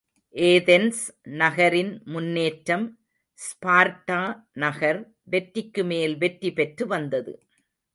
Athens நகரின் முன்னேற்றம் Sparta நகர், வெற்றிக்குமேல் வெற்றி பெற்று வந்தது.